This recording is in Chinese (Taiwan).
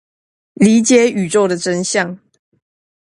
理解宇宙的真相